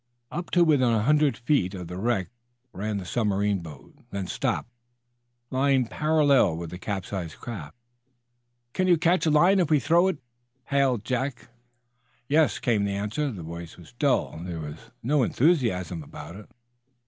Up to within a hundred feet of the wreck ran the submarine boat, then stopped, lying parallel with the capsized craft. "Can you catch a line, if we throw it?" hailed Jack. "Yes," came the answer. The voice was dull. There was no enthusiasm about it.